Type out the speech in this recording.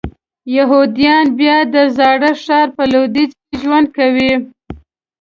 یهودیان بیا د زاړه ښار په لویدیځ کې ژوند کوي.